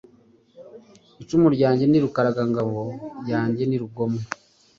Icumu ryanjye ni RukaraIngabo yanjye ni Rugomwa,